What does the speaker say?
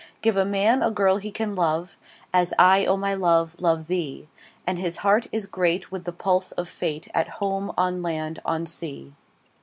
Give a man a girl he can love, As I, O my love, love thee; 10 And his heart is great with the pulse of Fate, At home, on land, on sea.